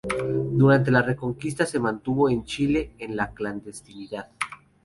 Durante la Reconquista, se mantuvo en Chile en la clandestinidad.